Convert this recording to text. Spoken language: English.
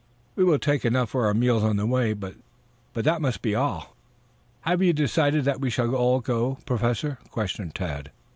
We will take enough for our meals on the way, but that must be all. Have you decided that we shall all go, Professor?" questioned Tad.